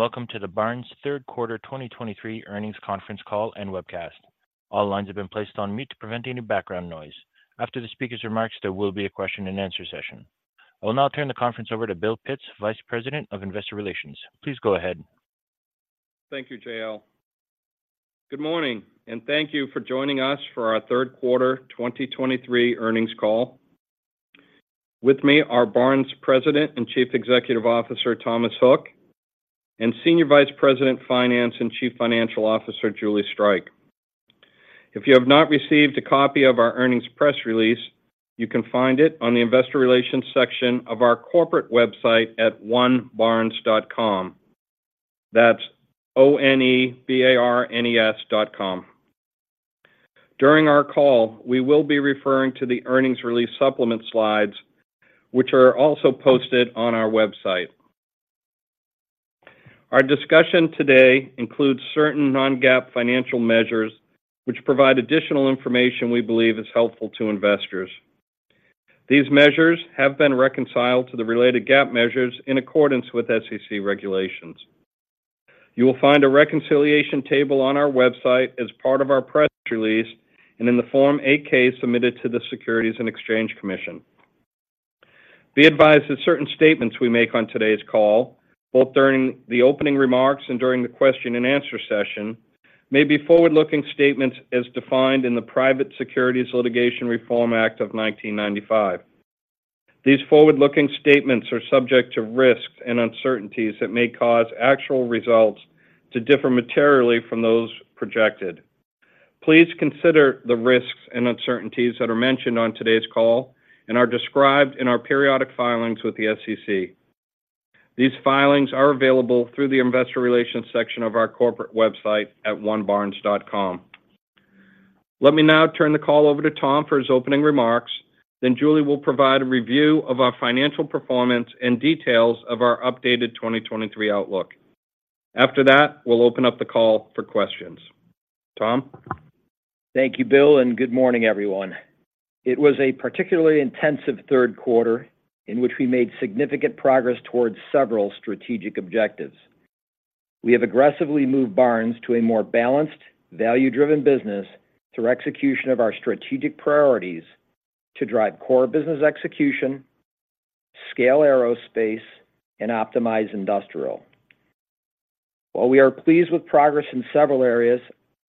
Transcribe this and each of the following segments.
Hello, and welcome to the Barnes Q3 2023 earnings conference call and webcast. All lines have been placed on mute to prevent any background noise. After the speaker's remarks, there will be a question and answer session. I will now turn the conference over to Bill Pitts, Vice President of Investor Relations. Please go ahead. Thank you, Jayel. Good morning, and thank you for joining us for our Q3 2023 earnings call. With me are Barnes President and Chief Executive Officer, Thomas Hook, and Senior Vice President, Finance and Chief Financial Officer, Julie Streich. If you have not received a copy of our earnings press release, you can find it on the Investor Relations section of our corporate website at onebarnes.com. That's O-N-E-B-A-R-N-E-S dot com. During our call, we will be referring to the earnings release supplement slides, which are also posted on our website. Our discussion today includes certain non-GAAP financial measures, which provide additional information we believe is helpful to investors. These measures have been reconciled to the related GAAP measures in accordance with SEC regulations. You will find a reconciliation table on our website as part of our press release and in the Form 8-K submitted to the Securities and Exchange Commission. Be advised that certain statements we make on today's call, both during the opening remarks and during the question and answer session, may be forward-looking statements as defined in the Private Securities Litigation Reform Act of 1995. These forward-looking statements are subject to risks and uncertainties that may cause actual results to differ materially from those projected. Please consider the risks and uncertainties that are mentioned on today's call and are described in our periodic filings with the SEC. These filings are available through the Investor Relations section of our corporate website at onebarnes.com. Let me now turn the call over to Tom for his opening remarks. Then Julie will provide a review of our financial performance and details of our updated 2023 outlook. After that, we'll open up the call for questions. Tom? Thank you, Bill, and good morning, everyone. It was a particularly intensive Q3 in which we made significant progress towards several strategic objectives. We have aggressively moved Barnes to a more balanced, value-driven business through execution of our strategic priorities to drive core business execution, scale Aerospace, and optimize Industrial. While we are pleased with progress in several areas,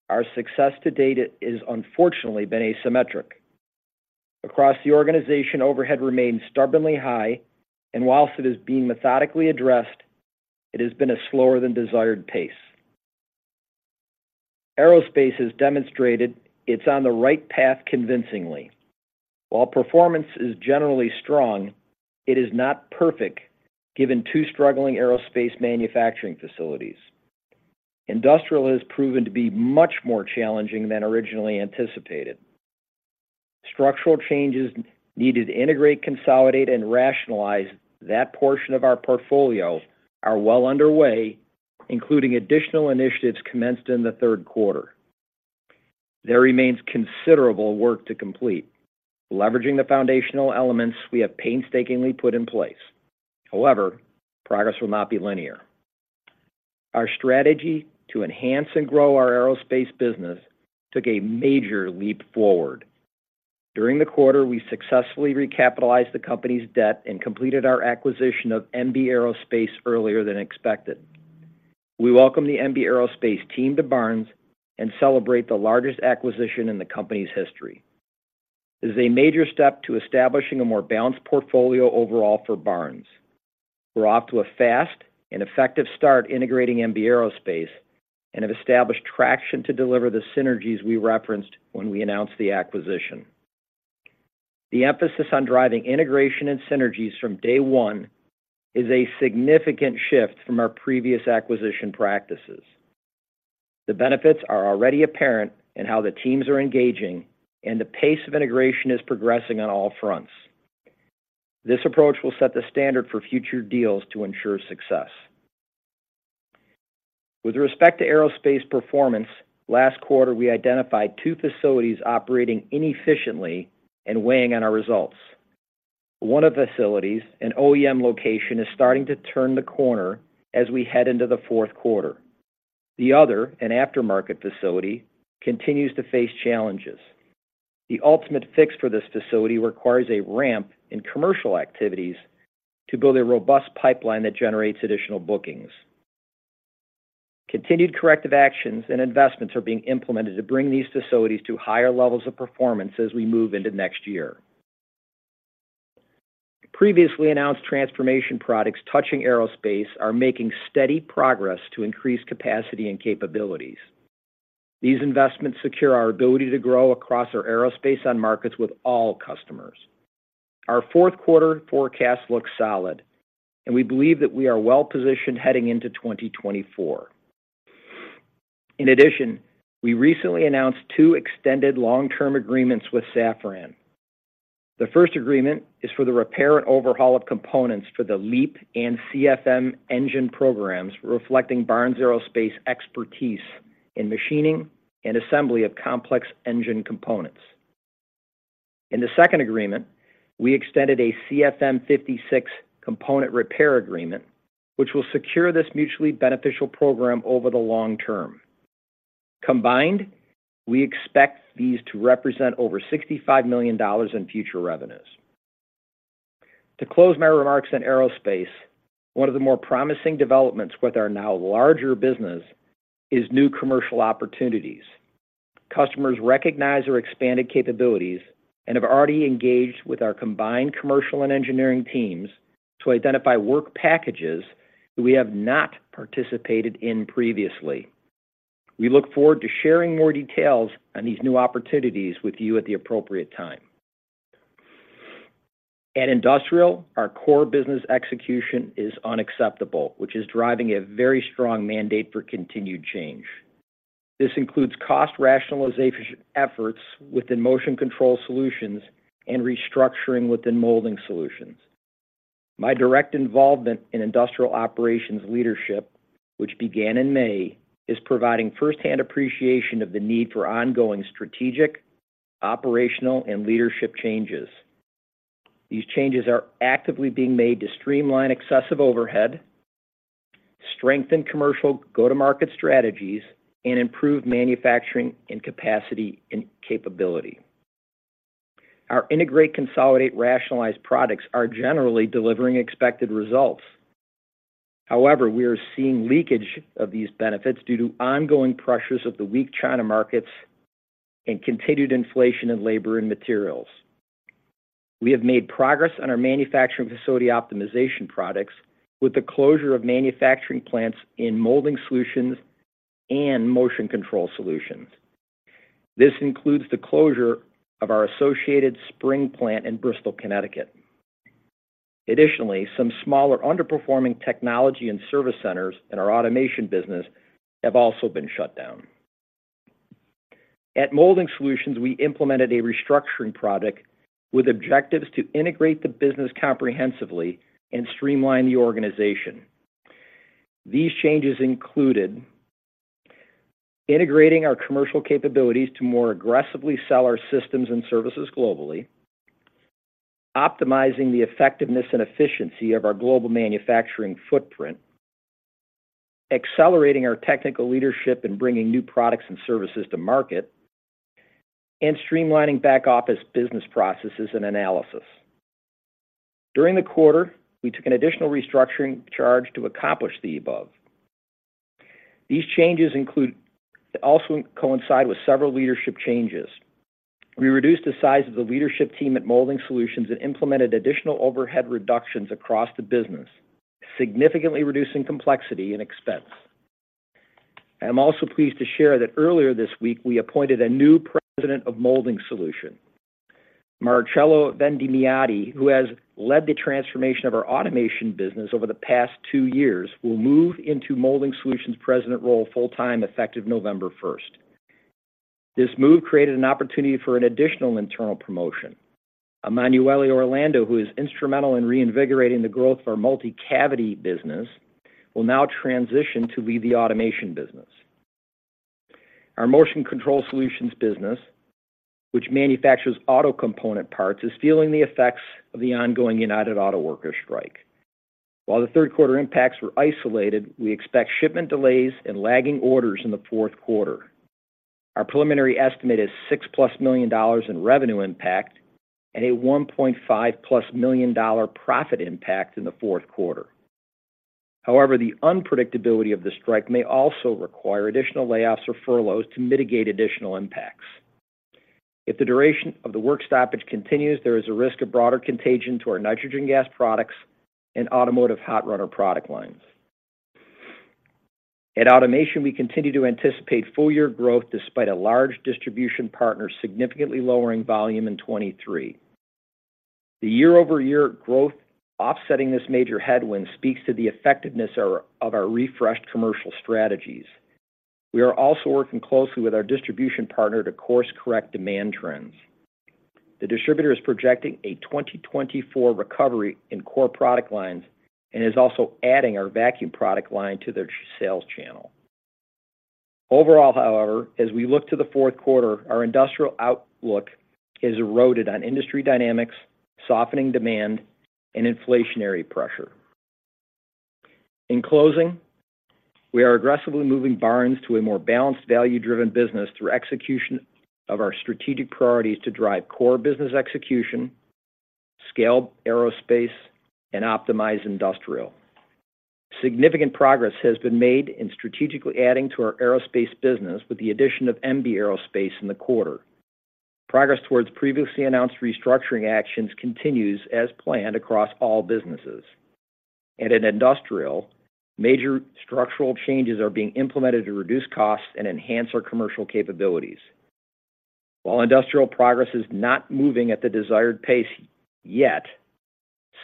our success to date has unfortunately been asymmetric. Across the organization, overhead remains stubbornly high, and while it is being methodically addressed, it has been a slower than desired pace. Aerospace has demonstrated it's on the right path convincingly. While performance is generally strong, it is not perfect given two struggling Aerospace manufacturing facilities. Industrial has proven to be much more challenging than originally anticipated. Structural changes needed to integrate, consolidate, and rationalize that portion of our portfolio are well underway, including additional initiatives commenced in the Q3. There remains considerable work to complete, leveraging the foundational elements we have painstakingly put in place. However, progress will not be linear. Our strategy to enhance and grow our aerospace business took a major leap forward. During the quarter, we successfully recapitalized the company's debt and completed our acquisition of MB Aerospace earlier than expected. We welcome the MB Aerospace team to Barnes and celebrate the largest acquisition in the company's history. This is a major step to establishing a more balanced portfolio overall for Barnes. We're off to a fast and effective start integrating MB Aerospace and have established traction to deliver the synergies we referenced when we announced the acquisition. The emphasis on driving integration and synergies from day one is a significant shift from our previous acquisition practices. The benefits are already apparent in how the teams are engaging, and the pace of integration is progressing on all fronts. This approach will set the standard for future deals to ensure success. With respect to aerospace performance, last quarter, we identified two facilities operating inefficiently and weighing on our results. One of the facilities, an OEM location, is starting to turn the corner as we head into the Q4. The other, an aftermarket facility, continues to face challenges. The ultimate fix for this facility requires a ramp in commercial activities to build a robust pipeline that generates additional bookings. Continued corrective actions and investments are being implemented to bring these facilities to higher levels of performance as we move into next year. Previously announced transformation projects touching aerospace are making steady progress to increase capacity and capabilities. These investments secure our ability to grow across our aerospace end markets with all customers. Our Q4 forecast looks solid, and we believe that we are well-positioned heading into 2024. In addition, we recently announced two extended long-term agreements with Safran. The first agreement is for the repair and overhaul of components for the LEAP and CFM engine programs, reflecting Barnes Aerospace expertise in machining and assembly of complex engine components. In the second agreement, we extended a CFM56 component repair agreement, which will secure this mutually beneficial program over the long term. Combined, we expect these to represent over $65 million in future revenues. To close my remarks on aerospace, one of the more promising developments with our now larger business is new commercial opportunities. Customers recognize our expanded capabilities and have already engaged with our combined commercial and engineering teams to identify work packages that we have not participated in previously. We look forward to sharing more details on these new opportunities with you at the appropriate time. At Industrial, our core business execution is unacceptable, which is driving a very strong mandate for continued change. This includes cost rationalization efforts within Motion Control Solutions and restructuring within Molding Solutions. My direct involvement in industrial operations leadership, which began in May, is providing firsthand appreciation of the need for ongoing strategic, operational, and leadership changes. These changes are actively being made to streamline excessive overhead, strengthen commercial go-to-market strategies, and improve manufacturing and capacity and capability. Our integrate, consolidate, rationalize projects are generally delivering expected results. However, we are seeing leakage of these benefits due to ongoing pressures of the weak China markets and continued inflation in labor and materials. We have made progress on our manufacturing facility optimization projects with the closure of manufacturing plants in Molding Solutions and Motion Control Solutions. This includes the closure of our Associated Spring plant in Bristol, Connecticut. Additionally, some smaller underperforming technology and service centers in our Automation business have also been shut down. At Molding Solutions, we implemented a restructuring project with objectives to integrate the business comprehensively and streamline the organization. These changes included integrating our commercial capabilities to more aggressively sell our systems and services globally, optimizing the effectiveness and efficiency of our global manufacturing footprint, accelerating our technical leadership in bringing new products and services to market, and streamlining back office business processes and analysis. During the quarter, we took an additional restructuring charge to accomplish the above. These changes include. They also coincide with several leadership changes. We reduced the size of the leadership team at Molding Solutions and implemented additional overhead reductions across the business, significantly reducing complexity and expense. I'm also pleased to share that earlier this week, we appointed a new president of Molding Solutions. Marcello Vendemiati, who has led the transformation of our automation business over the past two years, will move into Molding Solutions president role full-time, effective November first. This move created an opportunity for an additional internal promotion. Emanuele Orlando, who is instrumental in reinvigorating the growth of our multi-cavity business, will now transition to lead the automation business. Our Motion Control Solutions business, which manufactures auto component parts, is feeling the effects of the ongoing United Auto Workers strike. While the Q3 impacts were isolated, we expect shipment delays and lagging orders in the Q4. Our preliminary estimate is $6+ million in revenue impact and a $1.5+ million profit impact in the Q4. However, the unpredictability of the strike may also require additional layoffs or furloughs to mitigate additional impacts. If the duration of the work stoppage continues, there is a risk of broader contagion to our nitrogen gas products and automotive hot runner product lines. At Automation, we continue to anticipate full-year growth despite a large distribution partner significantly lowering volume in 2023. The year-over-year growth offsetting this major headwind speaks to the effectiveness of our refreshed commercial strategies. We are also working closely with our distribution partner to course-correct demand trends. The distributor is projecting a 2024 recovery in core product lines and is also adding our vacuum product line to their sales channel. Overall, however, as we look to the Q4, our Industrial outlook is eroded on industry dynamics, softening demand, and inflationary pressure. In closing, we are aggressively moving Barnes to a more balanced, value-driven business through execution of our strategic priorities to drive core business execution, scale Aerospace, and optimize Industrial. Significant progress has been made in strategically adding to our Aerospace business with the addition of MB Aerospace in the quarter. Progress towards previously announced restructuring actions continues as planned across all businesses. In Industrial, major structural changes are being implemented to reduce costs and enhance our commercial capabilities. While Industrial progress is not moving at the desired pace yet,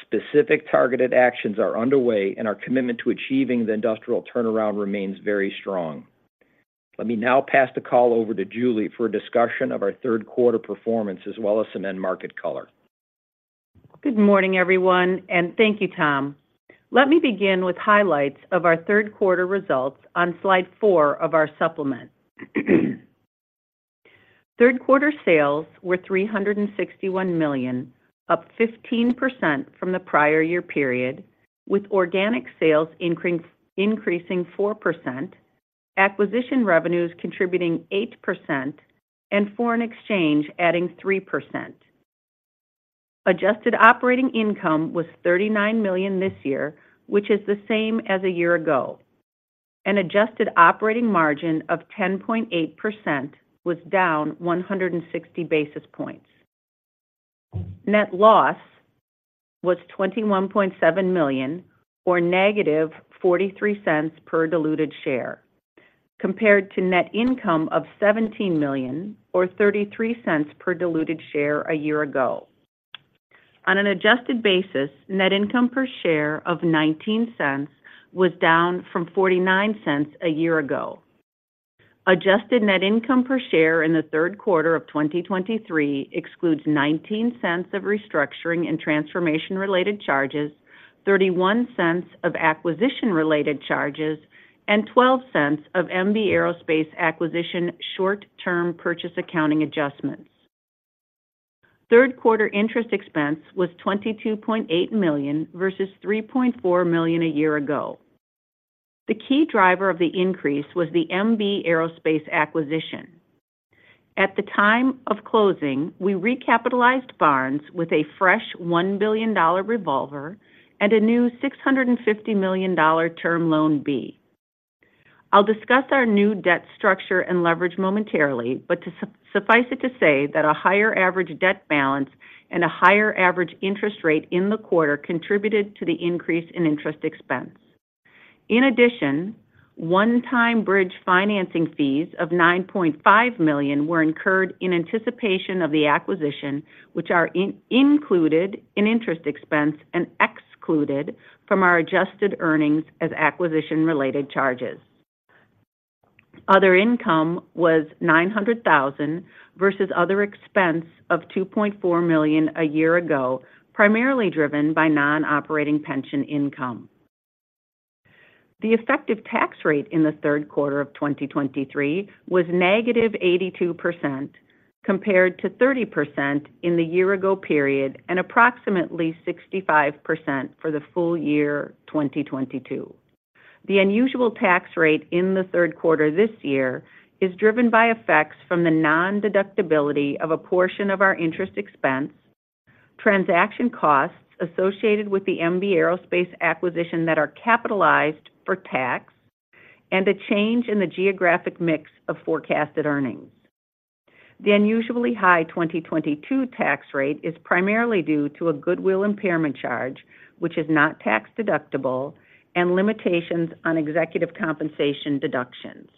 specific targeted actions are underway, and our commitment to achieving the industrial turnaround remains very strong. Let me now pass the call over to Julie for a discussion of our Q3 performance, as well as some end market color.... Good morning, everyone, and thank you, Tom. Let me begin with highlights of our Q3 results on slide 4 of our supplement. Q3 sales were $361 million, up 15% from the prior year period, with organic sales increasing 4%, acquisition revenues contributing 8%, and foreign exchange adding 3%. Adjusted operating income was $39 million this year, which is the same as a year ago. An adjusted operating margin of 10.8% was down 160 basis points. Net loss was $21.7 million, or negative $0.43 per diluted share, compared to net income of $17 million, or $0.33 per diluted share a year ago. On an adjusted basis, net income per share of $0.19 was down from $0.49 a year ago. Adjusted net income per share in the Q3 of 2023 excludes $0.19 of restructuring and transformation-related charges, $0.31 of acquisition-related charges, and $0.12 of MB Aerospace acquisition short-term purchase accounting adjustments. Q3 interest expense was $22.8 million versus $3.4 million a year ago. The key driver of the increase was the MB Aerospace acquisition. At the time of closing, we recapitalized Barnes with a fresh $1 billion revolver and a new $650 million term loan B. I'll discuss our new debt structure and leverage momentarily, but to suffice it to say that a higher average debt balance and a higher average interest rate in the quarter contributed to the increase in interest expense. In addition, one-time bridge financing fees of $9.5 million were incurred in anticipation of the acquisition, which are included in interest expense and excluded from our adjusted earnings as acquisition-related charges. Other income was $900,000 versus other expense of $2.4 million a year ago, primarily driven by non-operating pension income. The effective tax rate in the Q3 of 2023 was negative 82%, compared to 30% in the year-ago period and approximately 65% for the full year, 2022. The unusual tax rate in the Q3 this year is driven by effects from the nondeductibility of a portion of our interest expense, transaction costs associated with the MB Aerospace acquisition that are capitalized for tax, and a change in the geographic mix of forecasted earnings. The unusually high 2022 tax rate is primarily due to a goodwill impairment charge, which is not tax-deductible, and limitations on executive compensation deductions.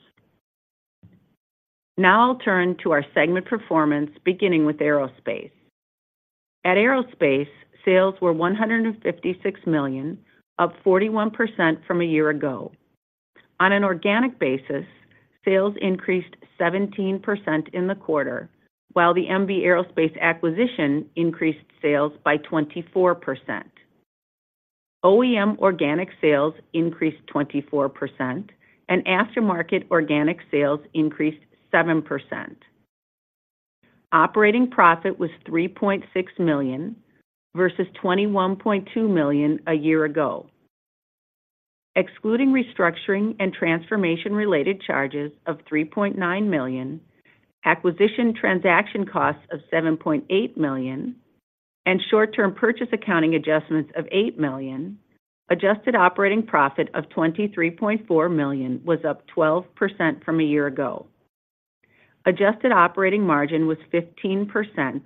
Now I'll turn to our segment performance, beginning with Aerospace. At Aerospace, sales were $156 million, up 41% from a year ago. On an organic basis, sales increased 17% in the quarter, while the MB Aerospace acquisition increased sales by 24%. OEM organic sales increased 24%, and aftermarket organic sales increased 7%. Operating profit was $3.6 million versus $21.2 million a year ago. Excluding restructuring and transformation-related charges of $3.9 million, acquisition transaction costs of $7.8 million, and short-term purchase accounting adjustments of $8 million, adjusted operating profit of $23.4 million was up 12% from a year ago. Adjusted operating margin was 15%,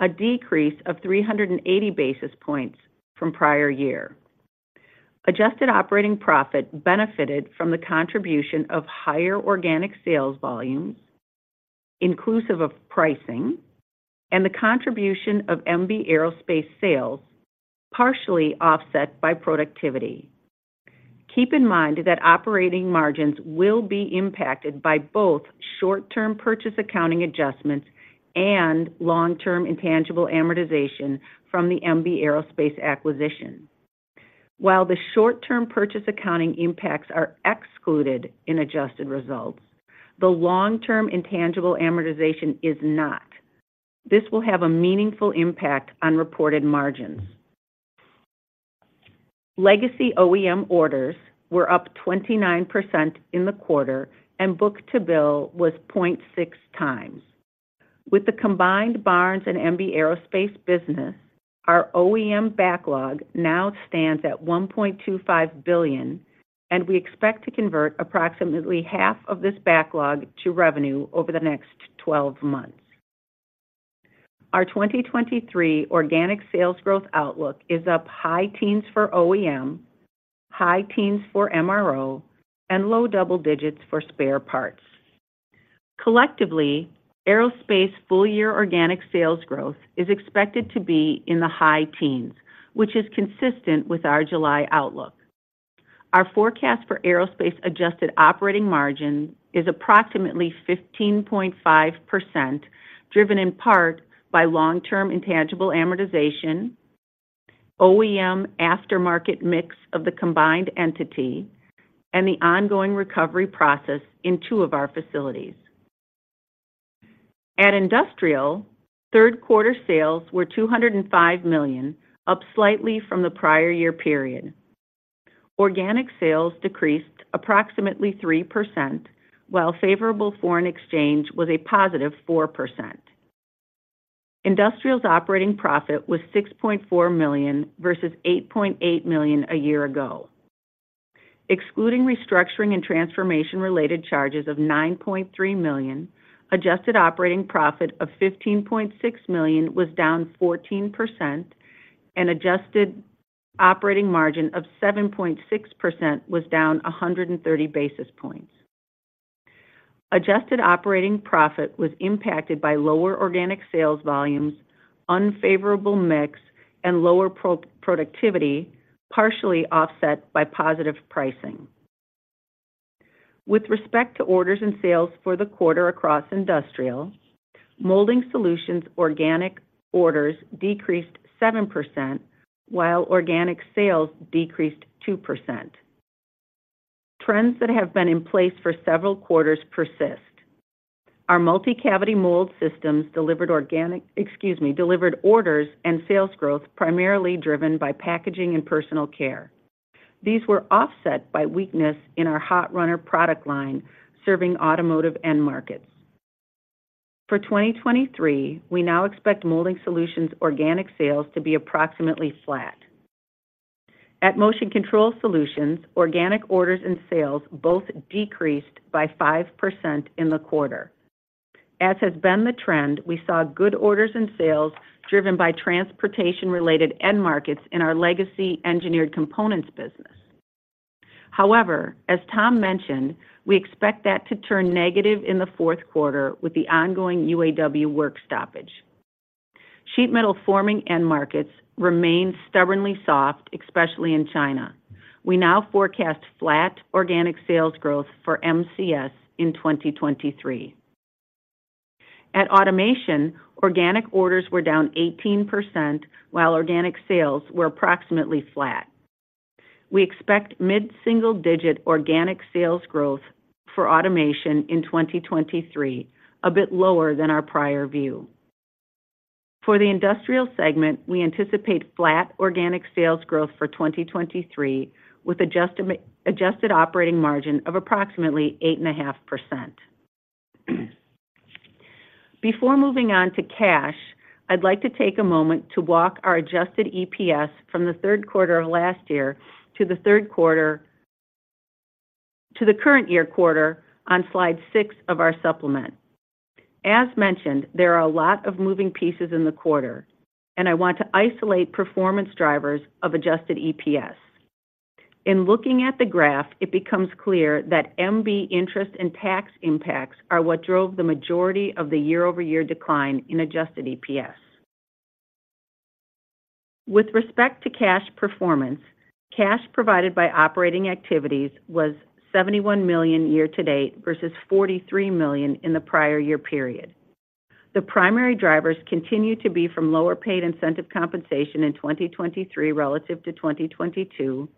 a decrease of 380 basis points from prior year. Adjusted operating profit benefited from the contribution of higher organic sales volumes, inclusive of pricing, and the contribution of MB Aerospace sales, partially offset by productivity. Keep in mind that operating margins will be impacted by both short-term purchase accounting adjustments and long-term intangible amortization from the MB Aerospace acquisition. While the short-term purchase accounting impacts are excluded in adjusted results, the long-term intangible amortization is not. This will have a meaningful impact on reported margins. Legacy OEM orders were up 29% in the quarter, and book-to-bill was 0.6x. With the combined Barnes and MB Aerospace business, our OEM backlog now stands at $1.25 billion, and we expect to convert approximately half of this backlog to revenue over the next 12 months. Our 2023 organic sales growth outlook is up high teens for OEM, high teens for MRO, and low double digits for spare parts. Collectively, Aerospace full-year organic sales growth is expected to be in the high teens, which is consistent with our July outlook. Our forecast for aerospace adjusted operating margin is approximately 15.5%, driven in part by long-term intangible amortization, OEM aftermarket mix of the combined entity, and the ongoing recovery process in two of our facilities. At Industrial, Q3 sales were $205 million, up slightly from the prior year period. Organic sales decreased approximately 3%, while favorable foreign exchange was a positive 4%. Industrial's operating profit was $6.4 million versus $8.8 million a year ago. Excluding restructuring and transformation-related charges of $9.3 million, adjusted operating profit of $15.6 million was down 14%, and adjusted operating margin of 7.6% was down 130 basis points. Adjusted operating profit was impacted by lower organic sales volumes, unfavorable mix, and lower pro-productivity, partially offset by positive pricing. With respect to orders and sales for the quarter across Industrial, Molding Solutions organic orders decreased 7%, while organic sales decreased 2%. Trends that have been in place for several quarters persist. Our multi-cavity mold systems delivered organic, excuse me, delivered orders and sales growth, primarily driven by packaging and personal care. These were offset by weakness in our Hot Runner product line, serving automotive end markets. For 2023, we now expect Molding Solutions organic sales to be approximately flat. At Motion Control Solutions, organic orders and sales both decreased by 5% in the quarter. As has been the trend, we saw good orders and sales driven by transportation-related end markets in our legacy engineered components business. However, as Tom mentioned, we expect that to turn negative in the Q4 with the ongoing UAW work stoppage. Sheet metal forming end markets remain stubbornly soft, especially in China. We now forecast flat organic sales growth for MCS in 2023. At Automation, organic orders were down 18%, while organic sales were approximately flat. We expect mid-single-digit organic sales growth for automation in 2023, a bit lower than our prior view. For the industrial segment, we anticipate flat organic sales growth for 2023, with adjusted operating margin of approximately 8.5%. Before moving on to cash, I'd like to take a moment to walk our adjusted EPS from the Q3 of last year to the Q3 to the current year quarter on slide 6 of our supplement. As mentioned, there are a lot of moving pieces in the quarter, and I want to isolate performance drivers of adjusted EPS. In looking at the graph, it becomes clear that MB interest and tax impacts are what drove the majority of the year-over-year decline in adjusted EPS. With respect to cash performance, cash provided by operating activities was $71 million year to date versus $43 million in the prior year period. The primary drivers continue to be from lower paid incentive compensation in 2023 relative to 2022,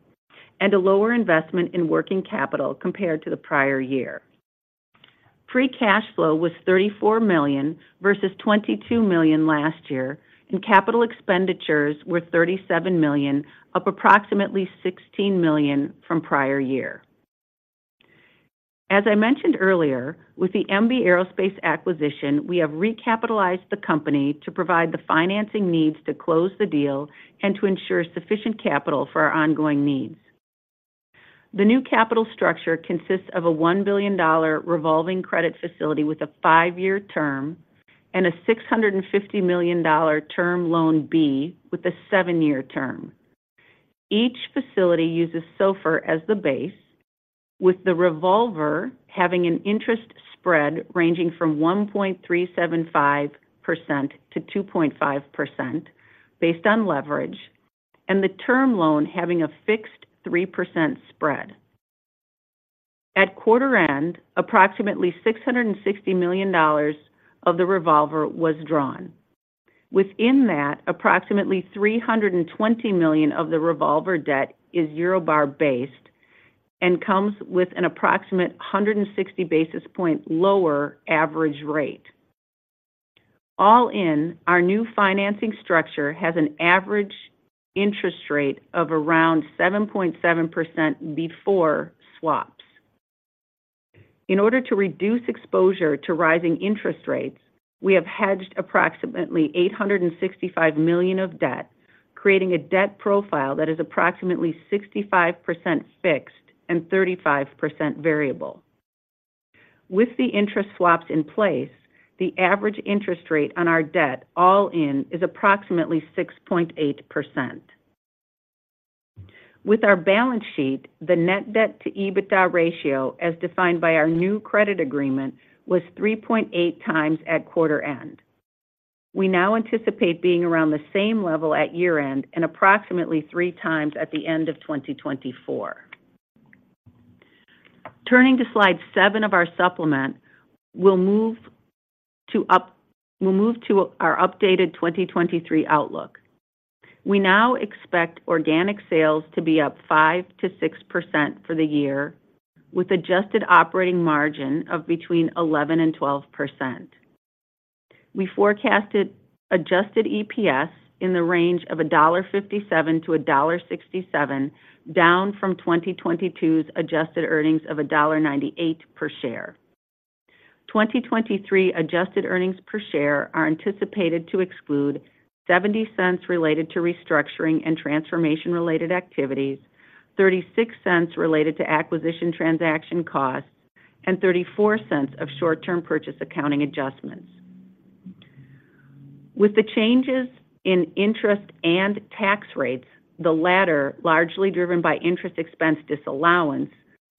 and a lower investment in working capital compared to the prior year. Free cash flow was $34 million versus $22 million last year, and capital expenditures were $37 million, up approximately $16 million from prior year. As I mentioned earlier, with the MB Aerospace acquisition, we have recapitalized the company to provide the financing needs to close the deal and to ensure sufficient capital for our ongoing needs. The new capital structure consists of a $1 billion revolving credit facility with a 5-year term and a $650 million term loan B with a 7-year term. Each facility uses SOFR as the base, with the revolver having an interest spread ranging from 1.375%-2.5% based on leverage, and the term loan having a fixed 3% spread. At quarter end, approximately $660 million of the revolver was drawn. Within that, approximately $320 million of the revolver debt is Euribor-based and comes with an approximate 160 basis point lower average rate. All in, our new financing structure has an average interest rate of around 7.7% before swaps. In order to reduce exposure to rising interest rates, we have hedged approximately $865 million of debt, creating a debt profile that is approximately 65% fixed and 35% variable. With the interest swaps in place, the average interest rate on our debt, all in, is approximately 6.8%. With our balance sheet, the net debt to EBITDA ratio, as defined by our new credit agreement, was 3.8x at quarter end. We now anticipate being around the same level at year-end and approximately 3x at the end of 2024. Turning to slide seven of our supplement, we'll move to our updated 2023 outlook. We now expect organic sales to be up 5%-6% for the year, with adjusted operating margin of between 11% and 12%. We forecasted adjusted EPS in the range of $1.57-$1.67, down from 2022's adjusted earnings of $1.98 per share. 2023 adjusted earnings per share are anticipated to exclude $0.70 related to restructuring and transformation-related activities, $0.36 related to acquisition transaction costs, and $0.34 of short-term purchase accounting adjustments. With the changes in interest and tax rates, the latter largely driven by interest expense disallowance,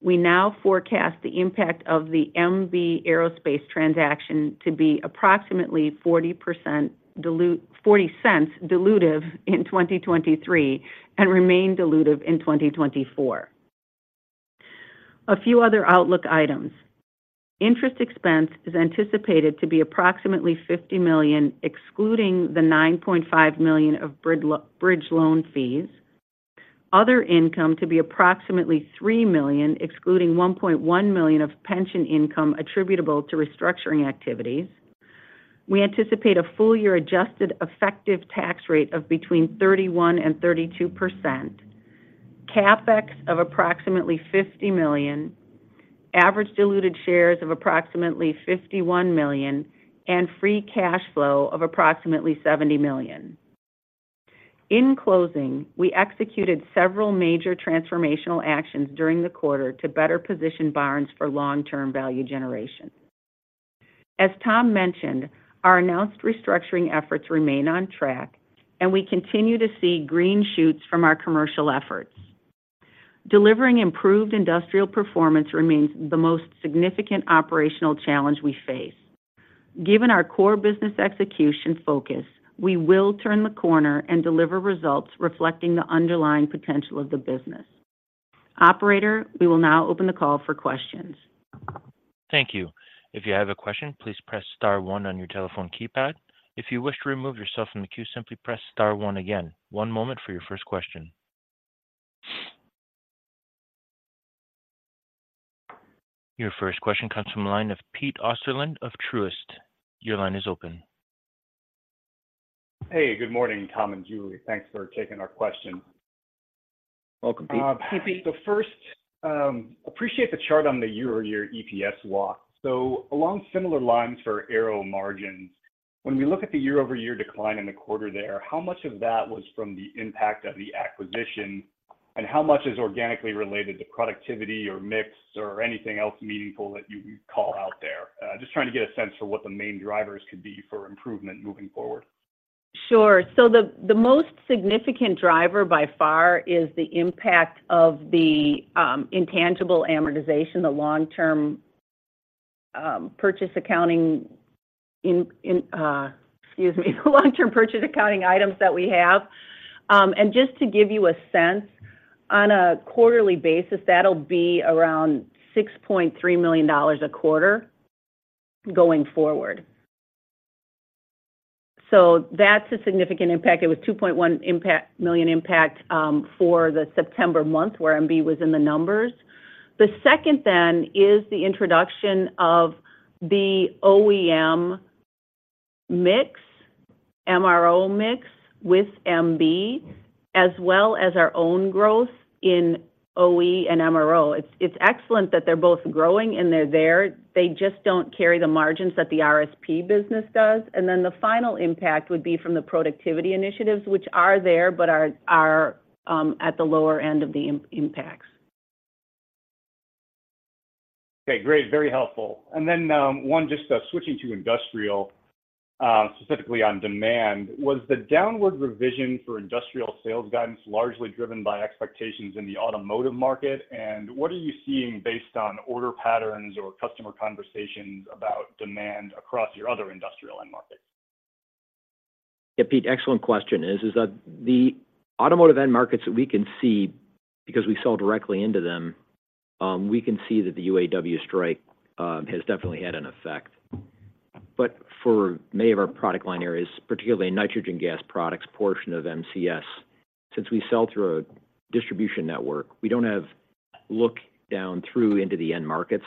we now forecast the impact of the MB Aerospace transaction to be approximately $0.40 dilutive in 2023, and remain dilutive in 2024. A few other outlook items. Interest expense is anticipated to be approximately $50 million, excluding the $9.5 million of bridge loan fees. Other income to be approximately $3 million, excluding $1.1 million of pension income attributable to restructuring activities. We anticipate a full year adjusted effective tax rate of between 31% and 32%, CapEx of approximately $50 million, average diluted shares of approximately 51 million, and free cash flow of approximately $70 million. In closing, we executed several major transformational actions during the quarter to better position Barnes for long-term value generation. As Tom mentioned, our announced restructuring efforts remain on track, and we continue to see green shoots from our commercial efforts. Delivering improved industrial performance remains the most significant operational challenge we face. Given our core business execution focus, we will turn the corner and deliver results reflecting the underlying potential of the business. Operator, we will now open the call for questions. Thank you. If you have a question, please press star one on your telephone keypad. If you wish to remove yourself from the queue, simply press star one again. One moment for your first question. Your first question comes from the line of Pete Osterland of Truist. Your line is open. Hey, good morning, Tom and Julie. Thanks for taking our question. Welcome, Pete. First, appreciate the chart on the year-over-year EPS walk. So along similar lines for aero margin, when we look at the year-over-year decline in the quarter there, how much of that was from the impact of the acquisition, and how much is organically related to productivity or mix or anything else meaningful that you would call out there? Just trying to get a sense for what the main drivers could be for improvement moving forward. Sure. So the most significant driver by far is the impact of the intangible amortization, the long-term purchase accounting items that we have. And just to give you a sense, on a quarterly basis, that'll be around $6.3 million a quarter going forward. So that's a significant impact. It was $2.1 million impact for the September month, where MB was in the numbers. The second then is the introduction of the OEM mix, MRO mix with MB, as well as our own growth in OE and MRO. It's excellent that they're both growing and they're there. They just don't carry the margins that the RSP business does. And then the final impact would be from the productivity initiatives, which are there, but are at the lower end of the impacts. Okay, great, very helpful. And then, one just switching to industrial, specifically on demand, was the downward revision for industrial sales guidance largely driven by expectations in the automotive market? And what are you seeing based on order patterns or customer conversations about demand across your other industrial end markets? Yeah, Pete, excellent question. Is that the automotive end markets that we can see, because we sell directly into them, we can see that the UAW strike has definitely had an effect. But for many of our product line areas, particularly nitrogen gas products, portion of MCS, since we sell through a distribution network, we don't have look down through into the end markets.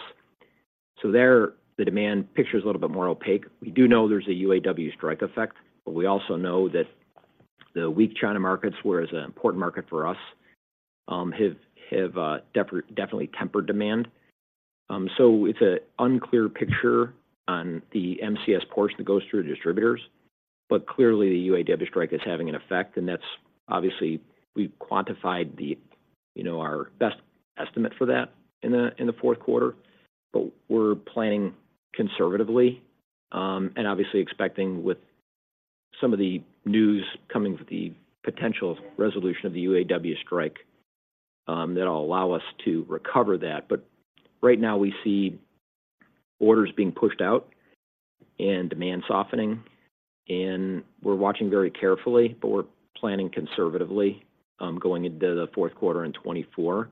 So there, the demand picture is a little bit more opaque. We do know there's a UAW strike effect, but we also know that the weak China markets, whereas an important market for us, have definitely tempered demand. So it's an unclear picture on the MCS portion that goes through the distributors, but clearly, the UAW strike is having an effect, and that's obviously, we quantified the, you know, our best estimate for that in the, in the Q4. But we're planning conservatively, and obviously expecting with some of the news coming with the potential resolution of the UAW strike, that'll allow us to recover that. But right now, we see orders being pushed out and demand softening, and we're watching very carefully, but we're planning conservatively, going into the Q4 in 2024,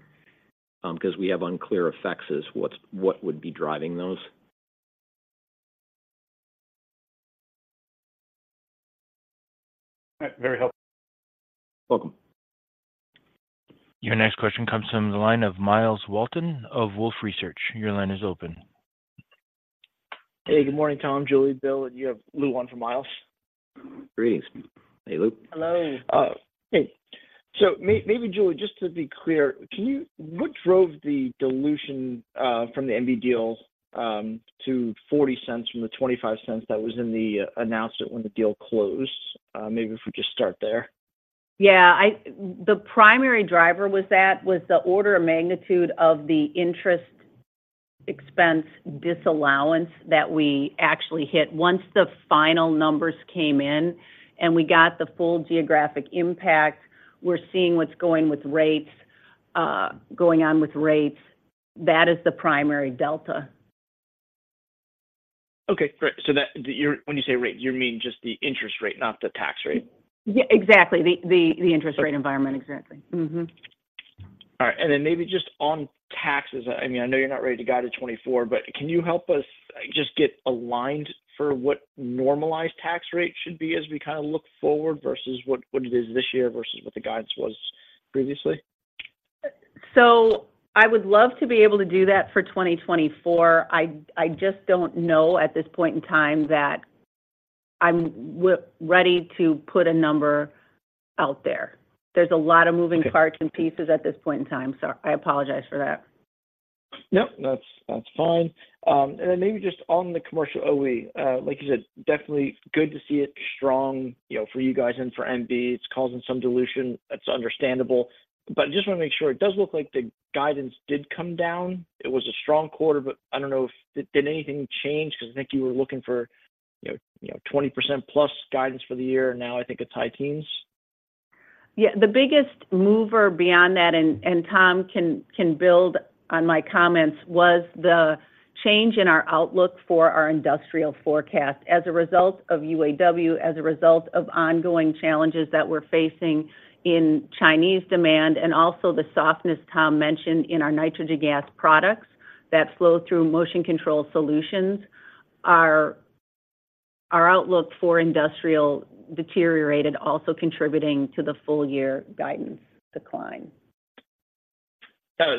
because we have unclear effects as what's, what would be driving those. All right. Very helpful. Welcome. Your next question comes from the line of Miles Walton of Wolfe Research. Your line is open. Hey, good morning, Tom, Julie, Bill, and you have Luke on for Miles. Greetings. Hey, Luke. Hello. Hey. So maybe, Julie, just to be clear, can you—what drove the dilution from the MB deal to $0.40 from the $0.25 that was in the announcement when the deal closed? Maybe if we just start there. Yeah, the primary driver was that, was the order of magnitude of the interest expense disallowance that we actually hit. Once the final numbers came in and we got the full geographic impact, we're seeing what's going on with rates. That is the primary delta. Okay, great. You're-- when you say rate, you mean just the interest rate, not the tax rate? Yeah, exactly. The interest rate environment. Okay. Exactly. All right, and then maybe just on taxes. I mean, I know you're not ready to guide to 2024, but can you help us just get aligned for what normalized tax rate should be as we look forward versus what, what it is this year versus what the guidance was previously? So I would love to be able to do that for 2024. I just don't know at this point in time that I'm ready to put a number out there. There's a lot of moving- Okay... parts and pieces at this point in time, so I apologize for that. Nope, that's, that's fine. And then maybe just on the commercial OE, like you said, definitely good to see it strong, you know, for you guys and for MB. It's causing some dilution. That's understandable. But just want to make sure, it does look like the guidance did come down. It was a strong quarter, but I don't know if did anything change? Because I think you were looking for, you know, you know, 20% plus guidance for the year, and now I think it's high teens. Yeah, the biggest mover beyond that, and Tom can build on my comments, was the change in our outlook for our industrial forecast as a result of UAW, as a result of ongoing challenges that we're facing in Chinese demand, and also the softness Tom mentioned in our nitrogen gas products that flow through motion control solutions. Our outlook for industrial deteriorated, also contributing to the full year guidance decline.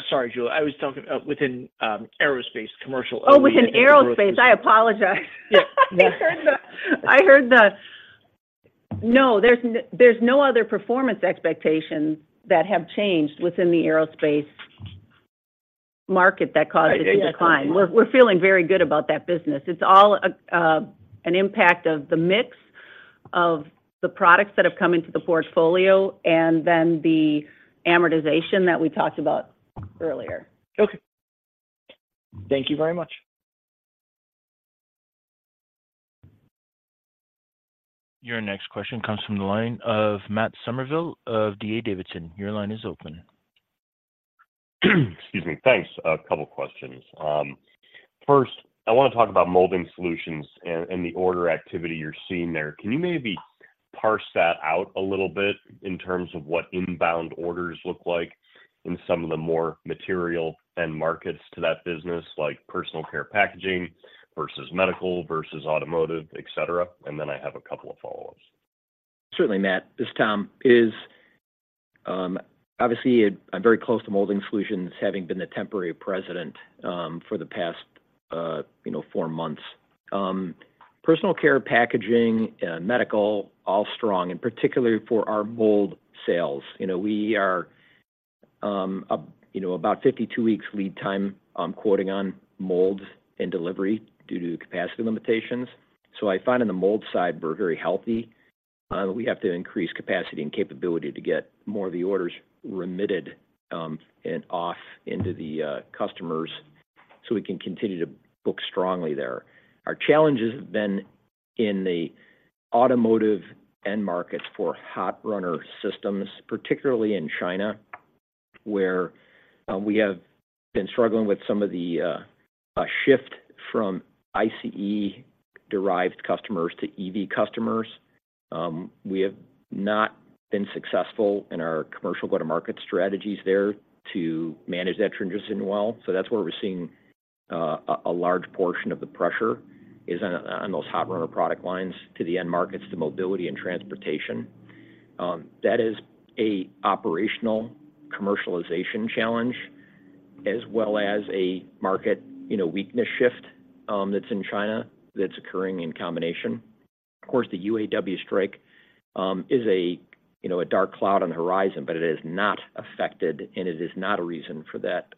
Sorry, Julie. I was talking within Aerospace, commercial OEM. Oh, within aerospace. I apologize. Yeah. No, there's no other performance expectations that have changed within the aerospace market that caused the decline. I see. We're feeling very good about that business. It's all an impact of the mix of the products that have come into the portfolio and then the amortization that we talked about earlier. Okay. Thank you very much. Your next question comes from the line of Matt Summerville of D.A. Davidson. Your line is open. Excuse me. Thanks. A couple questions. First, I want to talk about Molding Solutions and the order activity you're seeing there. Can you maybe parse that out a little bit in terms of what inbound orders look like in some of the more material end markets to that business, like personal care packaging versus medical versus automotive, et cetera? And then I have a couple of follow-ups. Certainly, Matt. This is Tom. Obviously, I'm very close to Molding Solutions, having been the temporary president for the past four months. Personal care, packaging, and medical, all strong, and particularly for our mold sales. You know, we are, you know, about 52 weeks lead time, quoting on molds and delivery due to the capacity limitations. I find on the mold side, we're very healthy. We have to increase capacity and capability to get more of the orders remitted and off into the customers, so we can continue to book strongly there. Our challenges have been in the automotive end markets for hot runner systems, particularly in China, where we have been struggling with some of the shift from ICE-derived customers to EV customers. We have not been successful in our commercial go-to-market strategies there to manage that transition well. So that's where we're seeing a large portion of the pressure is on those Hot Runner product lines to the end markets, to mobility and transportation. That is a operational commercialization challenge, as well as a market, you know, weakness shift that's in China, that's occurring in combination. Of course, the UAW strike is a, you know, dark cloud on the horizon, but it has not affected, and it is not a reason for that,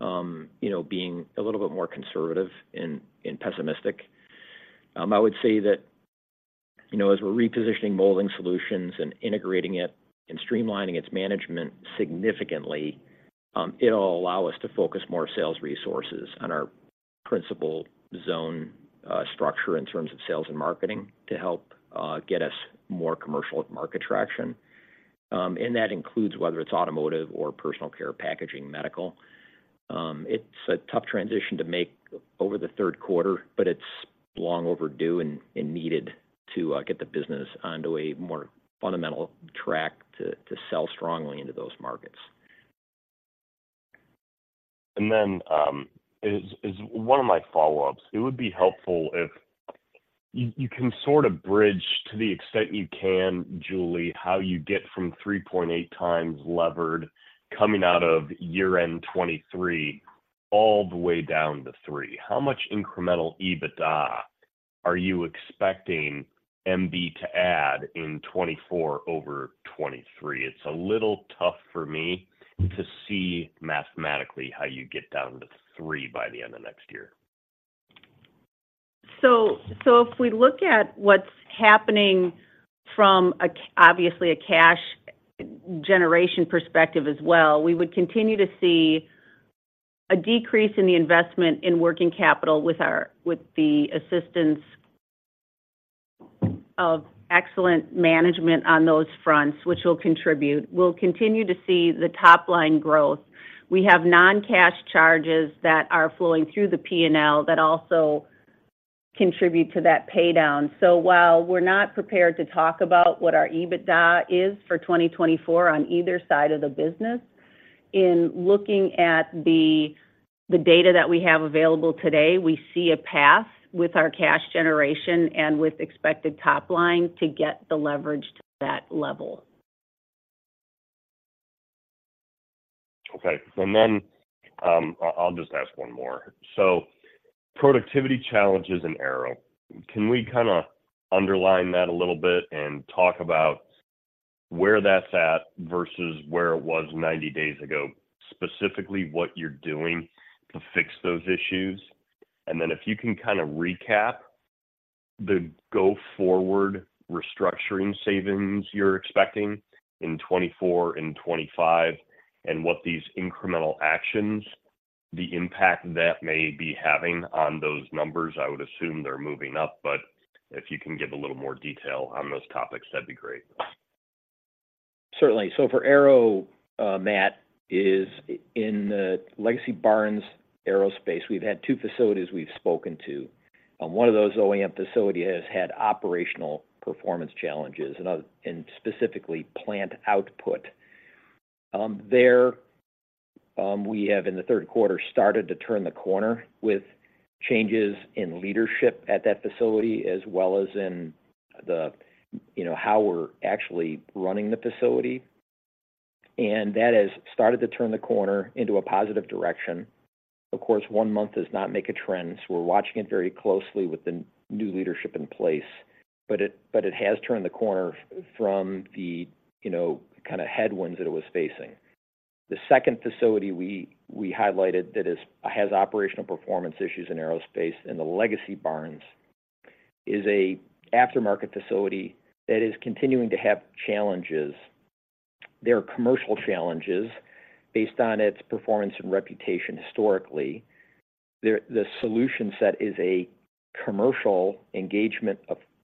you know, outlook being a little bit more conservative and pessimistic. I would say that, you know, as we're repositioning Molding Solutions and integrating it and streamlining its management significantly, it'll allow us to focus more sales resources on our-... principal zone structure in terms of sales and marketing to help get us more commercial and market traction. And that includes whether it's automotive or personal care, packaging, medical. It's a tough transition to make over the Q3, but it's long overdue and needed to get the business onto a more fundamental track to sell strongly into those markets. And then, one of my follow-ups, it would be helpful if you can sort of bridge to the extent you can, Julie, how you get from 3.8x levered coming out of year-end 2023, all the way down to 3. How much incremental EBITDA are you expecting MB to add in 2024 over 2023? It's a little tough for me to see mathematically how you get down to 3 by the end of next year. So if we look at what's happening from a obviously, a cash generation perspective as well, we would continue to see a decrease in the investment in working capital with the assistance of excellent management on those fronts, which will contribute. We'll continue to see the top-line growth. We have non-cash charges that are flowing through the P&L that also contribute to that paydown. So while we're not prepared to talk about what our EBITDA is for 2024 on either side of the business, in looking at the data that we have available today, we see a path with our cash generation and with expected top line to get the leverage to that level. Okay. And then, I'll just ask one more. So productivity challenges in Aero. Can we kind of underline that a little bit and talk about where that's at versus where it was 90 days ago? Specifically, what you're doing to fix those issues. And then if you can kind of recap the go-forward restructuring savings you're expecting in 2024 and 2025, and what these incremental actions, the impact that may be having on those numbers. I would assume they're moving up, but if you can give a little more detail on those topics, that'd be great. Certainly. For Aero, Matt, in the legacy Barnes Aerospace, we've had two facilities we've spoken to. One of those OEM facilities has had operational performance challenges, and specifically plant output. There, we have, in the Q3, started to turn the corner with changes in leadership at that facility, as well as in the, you know, how we're actually running the facility. That has started to turn the corner into a positive direction. Of course, one month does not make a trend, so we're watching it very closely with the new leadership in place. It has turned the corner from the, you know, kind of headwinds that it was facing. The second facility we highlighted that has operational performance issues in aerospace, in the legacy Barnes, is an aftermarket facility that is continuing to have challenges. They are commercial challenges based on its performance and reputation historically. The solution set is a commercial engagement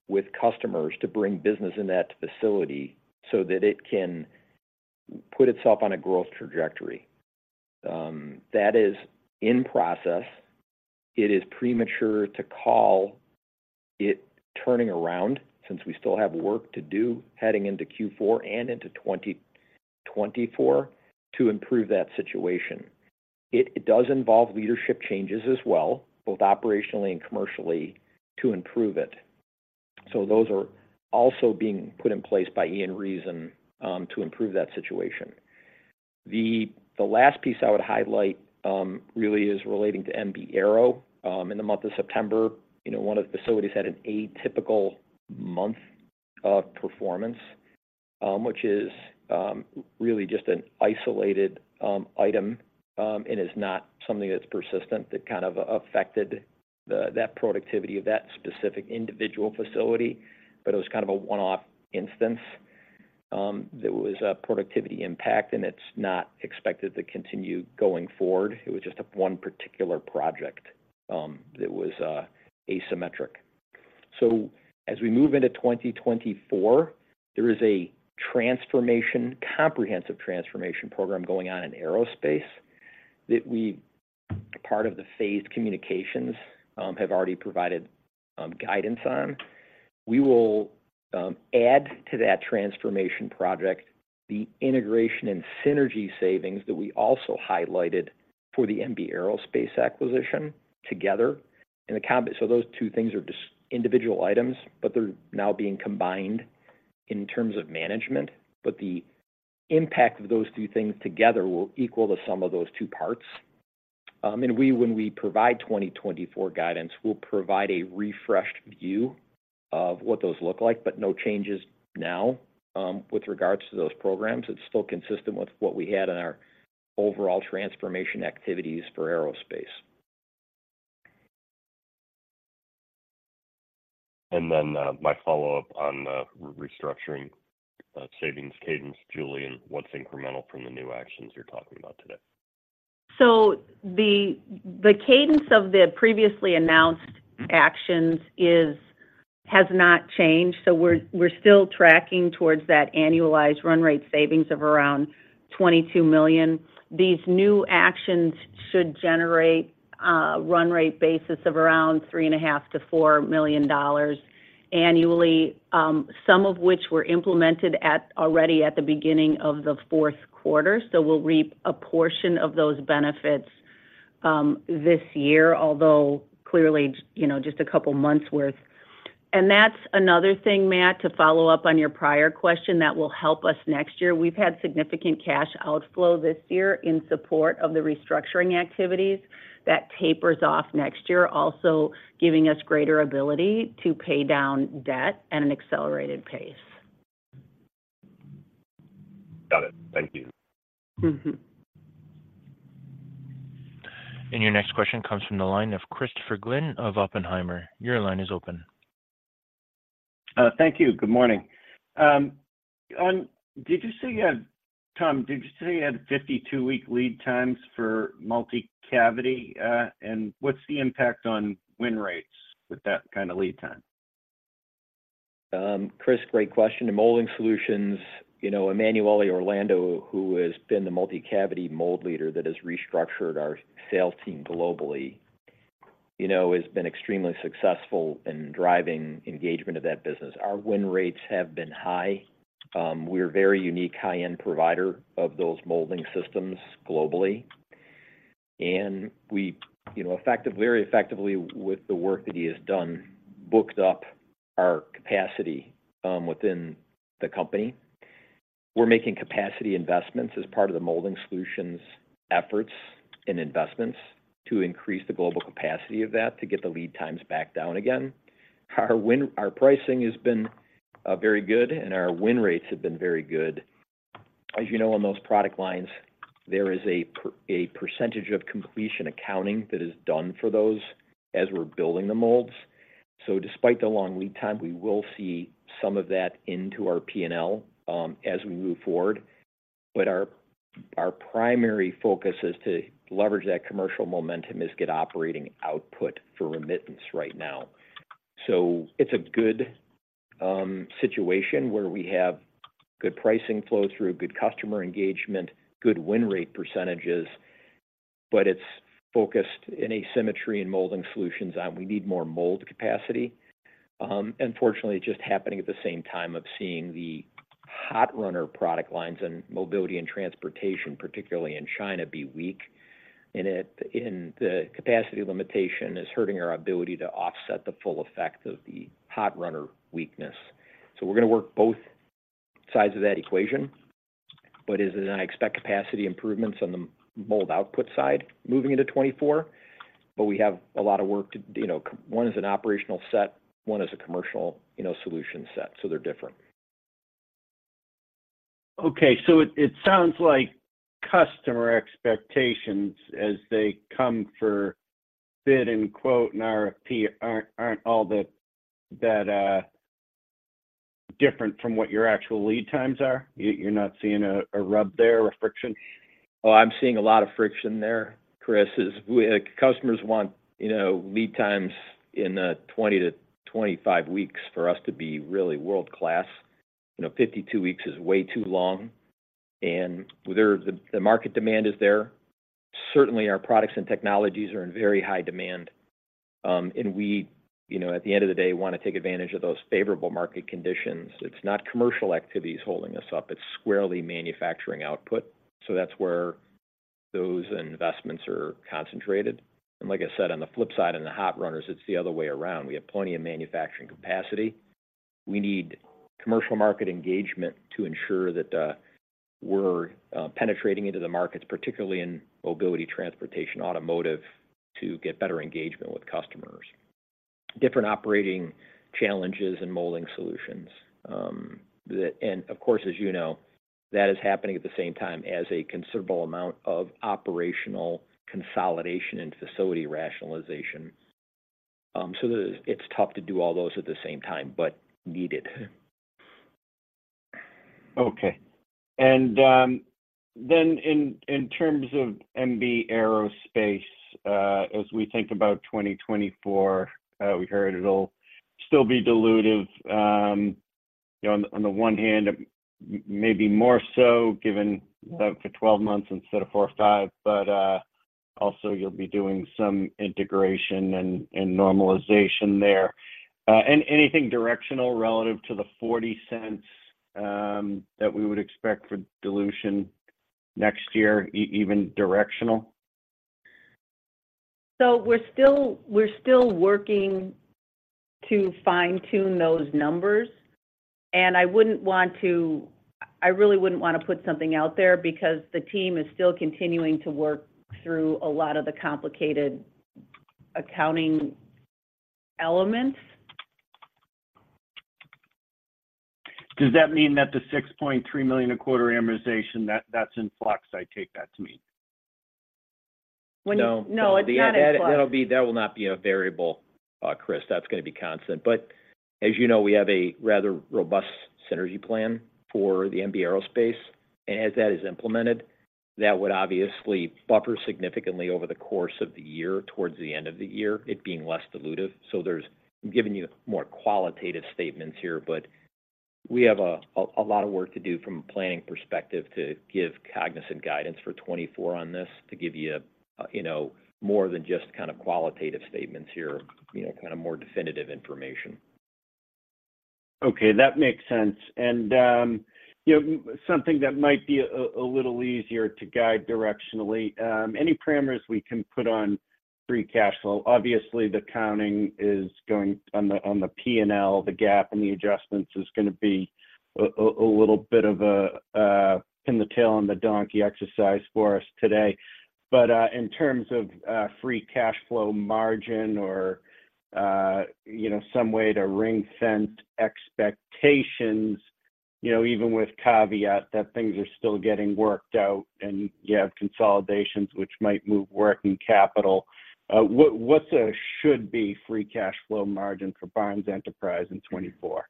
with customers to bring business in that facility so that it can put itself on a growth trajectory. That is in process. It is premature to call it turning around, since we still have work to do heading into Q4 and into 2024 to improve that situation. It does involve leadership changes as well, both operationally and commercially, to improve it. So those are also being put in place by Ian Reason to improve that situation. The last piece I would highlight really is relating to MB Aero. In the month of September, you know, one of the facilities had an atypical month of performance, which is really just an isolated item. And it is not something that's persistent, that kind of affected that productivity of that specific individual facility, but it was kind of a one-off instance. There was a productivity impact, and it's not expected to continue going forward. It was just one particular project that was asymmetric. So as we move into 2024, there is a transformation, comprehensive transformation program going on in aerospace that we, part of the phased communications, have already provided guidance on. We will add to that transformation project the integration and synergy savings that we also highlighted for the MB Aerospace acquisition together. And so those two things are just individual items, but they're now being combined in terms of management. But the impact of those two things together will equal the sum of those two parts. When we provide 2024 guidance, we'll provide a refreshed view of what those look like, but no changes now, with regards to those programs. It's still consistent with what we had in our overall transformation activities for aerospace. ...And then, my follow-up on the restructuring, savings cadence, Julie, and what's incremental from the new actions you're talking about today? So the cadence of the previously announced actions has not changed, so we're still tracking towards that annualized run rate savings of around $22 million. These new actions should generate a run rate basis of around $3.5 million-$4 million annually, some of which were implemented already at the beginning of the Q4. So we'll reap a portion of those benefits this year, although clearly, you know, just a couple months' worth. And that's another thing, Matt, to follow up on your prior question, that will help us next year. We've had significant cash outflow this year in support of the restructuring activities. That tapers off next year, also giving us greater ability to pay down debt at an accelerated pace. Got it. Thank you. Your next question comes from the line of Christopher Glynn of Oppenheimer. Your line is open. Thank you. Good morning. Did you say you had... Tom, did you say you had 52-week lead times for multi-cavity? And what's the impact on win rates with that kind of lead time? Chris, great question. In Molding Solutions, you know, Emanuele Orlando, who has been the Multi-Cavity Mold leader that has restructured our sales team globally, you know, has been extremely successful in driving engagement of that business. Our win rates have been high. We're a very unique, high-end provider of those molding systems globally. And we, you know, very effectively, with the work that he has done, booked up our capacity within the company. We're making capacity investments as part of the Molding Solutions efforts and investments to increase the global capacity of that, to get the lead times back down again. Our pricing has been very good, and our win rates have been very good. As you know, on those product lines, there is a percentage of completion accounting that is done for those as we're building the molds. So despite the long lead time, we will see some of that into our P&L, as we move forward. But our, our primary focus is to leverage that commercial momentum, is get operating output from MRO right now. So it's a good situation where we have good pricing flow through, good customer engagement, good win rate percentages, but it's focused in Assembly and Molding Solutions, and we need more mold capacity. Unfortunately, it's just happening at the same time of seeing the Hot Runner product lines and mobility and transportation, particularly in China, be weak. And it, and the capacity limitation is hurting our ability to offset the full effect of the Hot Runner weakness. So we're gonna work both sides of that equation. And I expect capacity improvements on the mold output side moving into 2024, but we have a lot of work to, you know. One is an operational set, one is a commercial, you know, solution set, so they're different. Okay. So it sounds like customer expectations as they come for bid and quote and RFP aren't all that different from what your actual lead times are? You're not seeing a rub there or friction? Oh, I'm seeing a lot of friction there, Chris, is we customers want, you know, lead times in 20-25 weeks for us to be really world-class. You know, 52 weeks is way too long, and whether the market demand is there, certainly our products and technologies are in very high demand. And we, you know, at the end of the day, want to take advantage of those favorable market conditions. It's not commercial activities holding us up, it's squarely manufacturing output, so that's where those investments are concentrated. And like I said, on the flip side, in the hot runners, it's the other way around. We have plenty of manufacturing capacity. We need commercial market engagement to ensure that we're penetrating into the markets, particularly in mobility, transportation, automotive, to get better engagement with customers. Different operating challenges and molding solutions. And of course, as you know, that is happening at the same time as a considerable amount of operational consolidation and facility rationalization. So it, it's tough to do all those at the same time, but needed. Okay. And then in terms of MB Aerospace, as we think about 2024, we heard it'll still be dilutive, you know, on the one hand, maybe more so, given that for 12 months instead of four or five. But also you'll be doing some integration and normalization there. And anything directional relative to the $0.40 that we would expect for dilution next year, even directional? We're still working to fine-tune those numbers, and I wouldn't want to... I really wouldn't want to put something out there because the team is still continuing to work through a lot of the complicated accounting elements. ... Does that mean that the $6.3 million a quarter amortization, that, that's in flux, I take that to mean? No. No, it's not in flux. That will not be a variable, Chris. That's gonna be constant. But as you know, we have a rather robust synergy plan for the MB Aerospace, and as that is implemented, that would obviously buffer significantly over the course of the year, towards the end of the year, it being less dilutive. I'm giving you more qualitative statements here, but we have a lot of work to do from a planning perspective to give cognizant guidance for 2024 on this, to give you, you know, more than just kind of qualitative statements here, you know, kind of more definitive information. Okay, that makes sense. And, you know, something that might be a little easier to guide directionally, any parameters we can put on free cash flow? Obviously, the counting is going on the on the P&L, the GAAP and the adjustments is gonna be a little bit of a pin the tail on the donkey exercise for us today. But, in terms of, free cash flow margin or, you know, some way to ring-fence expectations, you know, even with caveat, that things are still getting worked out and you have consolidations which might move working capital. What’s a should be free cash flow margin for Barnes Enterprise in 2024?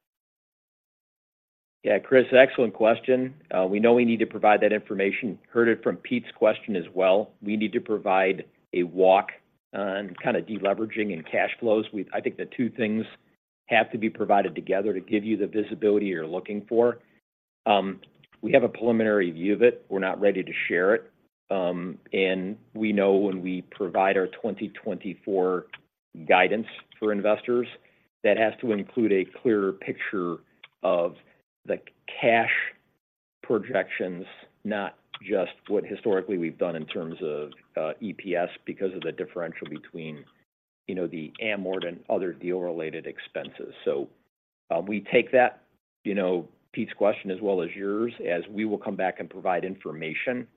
Yeah, Chris, excellent question. We know we need to provide that information. Heard it from Pete's question as well. We need to provide a walk on kind of deleveraging and cash flows. I think the two things have to be provided together to give you the visibility you're looking for. We have a preliminary view of it. We're not ready to share it. And we know when we provide our 2024 guidance for investors, that has to include a clearer picture of the cash projections, not just what historically we've done in terms of EPS, because of the differential between, you know, the amort and other deal-related expenses. So, we take that, you know, Pete's question as well as yours, as we will come back and provide information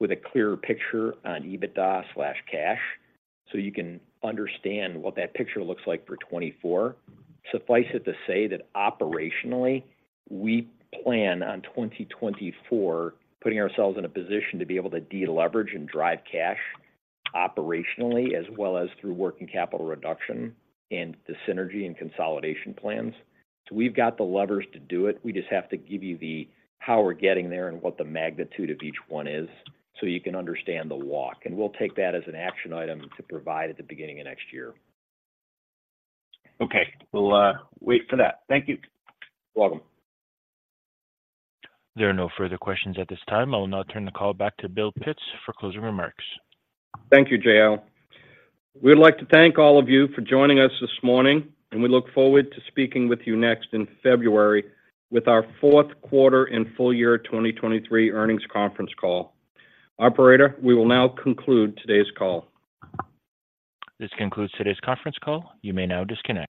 with a clearer picture on EBITDA/cash, so you can understand what that picture looks like for 2024. Suffice it to say that operationally, we plan on 2024, putting ourselves in a position to be able to deleverage and drive cash operationally, as well as through working capital reduction and the synergy and consolidation plans. So we've got the levers to do it. We just have to give you the how we're getting there and what the magnitude of each one is, so you can understand the walk, and we'll take that as an action item to provide at the beginning of next year. Okay. We'll wait for that. Thank you. You're welcome. There are no further questions at this time. I will now turn the call back to Bill Pitts for closing remarks. Thank you, Jill We'd like to thank all of you for joining us this morning, and we look forward to speaking with you next in February with our Q4 and full year 2023 earnings conference call. Operator, we will now conclude today's call. This concludes today's conference call. You may now disconnect.